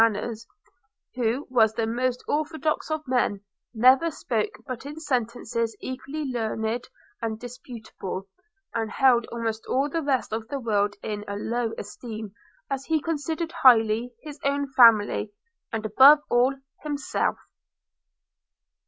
manners, who was the most orthodox of men, never spoke but in sentences equally learned and indisputable, and held almost all the rest of the world in a low estimation as he considered highly his own family, and above all himself.